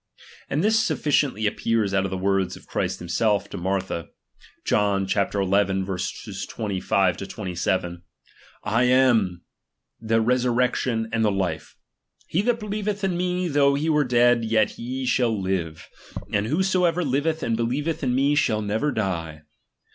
And this sufficiently ap pears out of the words of Christ himself to Martha (John xi. 25 27) ' I am, saith he, the resurrection and the life ; he that believeth in me, though he were dead, yet shall he live; and whosoever liveth and believeth in me, shall never die.